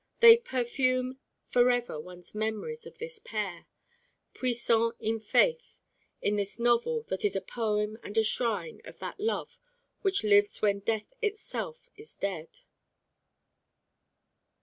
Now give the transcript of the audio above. They perfume forever one's memories of this pair, puissant in faith, in this novel that is a poem and a shrine of that love which lives when death itself is dead.